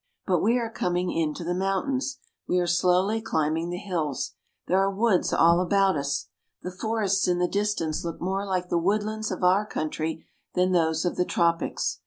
But we are coming into the mountains. We are slowly climbing the hills. There are woods all about us. The forests in the distance look more like the woodlands of our country than those of the tropics.